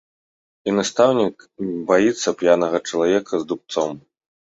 І настаўнік баіцца п'янага чалавека з дубцом.